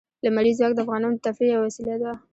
لمریز ځواک د افغانانو د تفریح یوه وسیله ده.